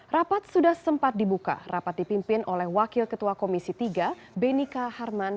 rapat sudah sempat dibuka rapat dipimpin oleh wakil ketua komisi tiga benika harman